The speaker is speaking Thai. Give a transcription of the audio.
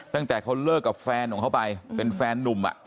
ตั้งแต่เขาเลิกกับแฟนของเขาไปเป็นแฟนนุ่ม